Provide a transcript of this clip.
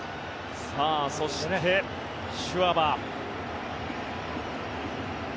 そして、シュワバー。